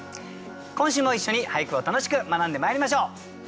今週も一緒に俳句を楽しく学んでまいりましょう。